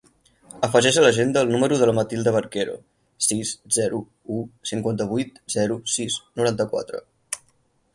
Afegeix a l'agenda el número de la Matilda Barquero: sis, zero, u, cinquanta-vuit, zero, sis, noranta-quatre.